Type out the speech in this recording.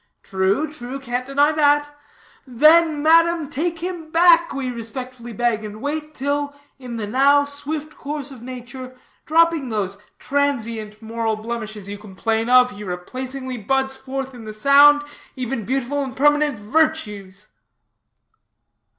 'True, true, can't deny that.' 'Then, madam, take him back, we respectfully beg, and wait till, in the now swift course of nature, dropping those transient moral blemishes you complain of, he replacingly buds forth in the sound, even, beautiful and permanent virtues.'"